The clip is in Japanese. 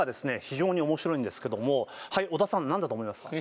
非常に面白いんですけども小田さん何だと思いますか？